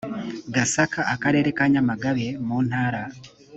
gasaka akarere ka nyamagabe mu ntara